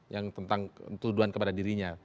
yang tentang tuduhan kepada dirinya